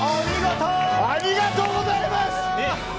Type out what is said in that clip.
ありがとうございます！